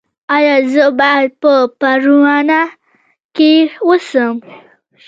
ایا زه باید په پروان کې اوسم؟